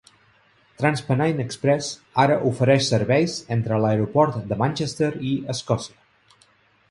TransPennine Express ara ofereix serveis entre l'aeroport de Manchester i Escòcia.